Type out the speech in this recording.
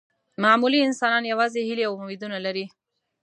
معمولي انسانان یوازې هیلې او امیدونه لري.